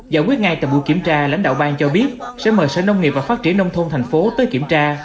giải quyết ngay tại buổi kiểm tra lãnh đạo bang cho biết sẽ mời sở nông nghiệp và phát triển nông thôn thành phố tới kiểm tra